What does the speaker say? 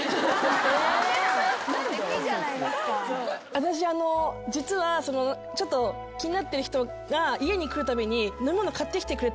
私実はちょっと気になってる人が家に来るたびに飲み物買ってきてくれてたんですね。